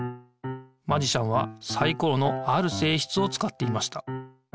マジシャンはサイコロのあるせいしつをつかっていました。